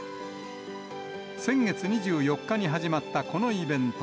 先月２４日に始まったこのイベント。